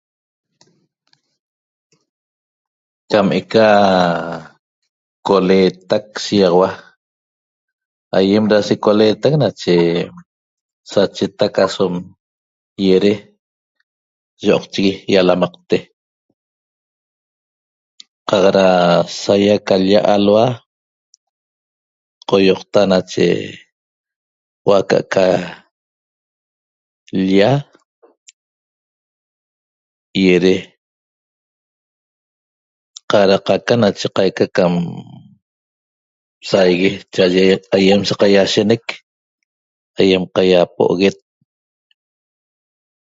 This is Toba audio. Cam eca coleetac shiýaxaua aýem da secoleetan nache sachetac asom ýiede yioqchigui ýalamaqte qaq da saýa ca l-lla alhua qoýoqta nache huo'o aca'aca l-lla ýiede qaq da qaca nache qaica cam saigue cha'aye aýem saqaiashenec aýem qaiapo'oguet